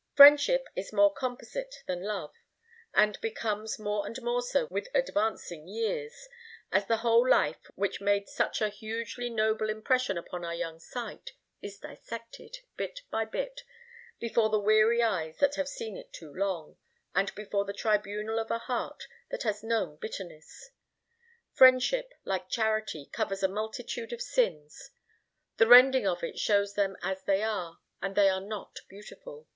Friendship is more composite than love, and becomes more and more so with advancing years, as the whole of life, which made such a hugely noble impression upon our young sight, is dissected, bit by bit, before the weary eyes that have seen it too long, and before the tribunal of a heart that has known bitterness. Friendship, like charity, covers a multitude of sins. The rending of it shows them as they are, and they are not beautiful.